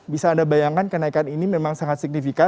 bisa anda bayangkan kenaikan ini memang sangat signifikan